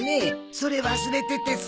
それ忘れててさ。